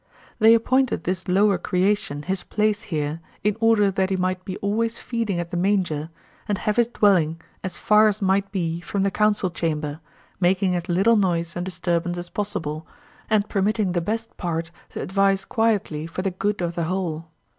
They appointed this lower creation his place here in order that he might be always feeding at the manger, and have his dwelling as far as might be from the council chamber, making as little noise and disturbance as possible, and permitting the best part to advise quietly for the good of the whole.